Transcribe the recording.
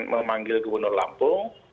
memanggil gubernur lampung